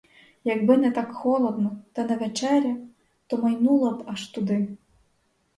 Якби не так холодно, та не вечеря, то майнула б аж туди!